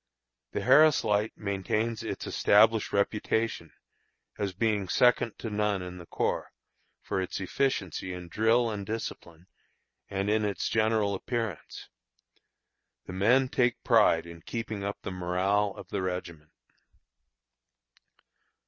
The Harris Light maintains its established reputation, as being second to none in the corps, for its efficiency in drill and discipline, and in its general appearance. The men take pride in keeping up the morale of the regiment.